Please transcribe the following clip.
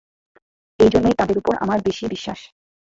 এইজন্যই তাদের উপর আমার বেশী বিশ্বাস।